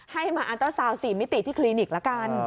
ให้มาอาร์เตอร์สาวสี่มิติที่คลินิกแล้วกัน